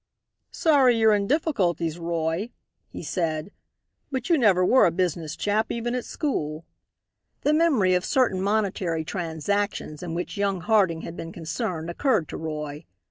"Sorry you're in difficulties, Roy," he said, "but you never were a business chap even at school." The memory of certain monetary transactions in which young Harding had been concerned occurred to Roy.